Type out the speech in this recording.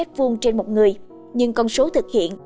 trên một người nhưng con số thực hiện